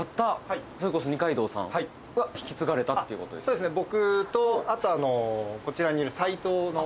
そうですね